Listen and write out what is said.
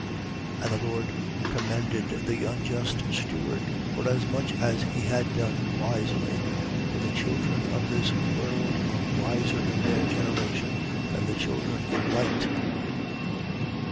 16:8. And the lord commended the unjust steward, forasmuch as he had done wisely: for the children of this world are wiser in their generation than the children of light.